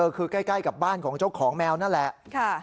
คือใกล้กับบ้านของเจ้าของแมวนั่นแหละ